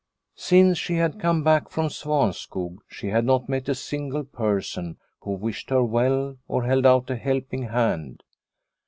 Since she had come back from Svanskog she had not met a single person who wished her well or held out a helping hand.